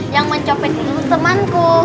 yang mencopet itu temanku